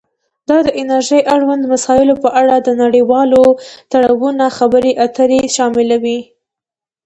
دا د انرژۍ اړوند مسایلو په اړه د نړیوالو تړونونو خبرې اترې شاملوي